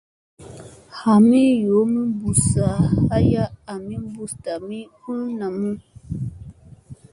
Hamii yoomi kuna aya ami ɓus tami u namu.